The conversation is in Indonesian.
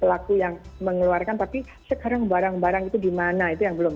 pelaku yang mengeluarkan tapi sekarang barang barang itu di mana itu yang belum